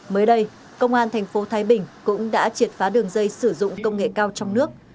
mới đây công an thành phố thái bình cũng đã triệt phá đường dây sử dụng công nghệ cao trong nước